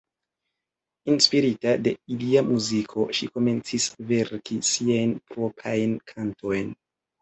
Inspirita de ilia muziko, ŝi komencis verki siajn proprajn kantojn.